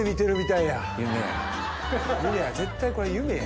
いや絶対これ夢や。